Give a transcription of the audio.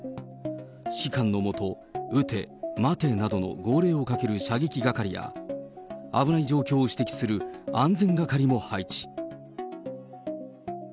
指揮官の下、撃て、待てなどの、号令をかける射撃係や、危ない状況を指摘する安全係も配置。